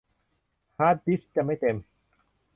ฮาร์ดดิสก์จะไม่เต็ม